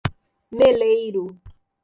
Meleiro